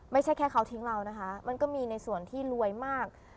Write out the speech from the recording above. ไม่ใช่แค่เขาทิ้งเรานะคะมันก็มีในส่วนที่รวยมาก